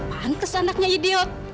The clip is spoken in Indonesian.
pantes anaknya idiot